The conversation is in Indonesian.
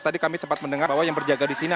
tadi kami sempat mendengar bahwa yang berjaga disini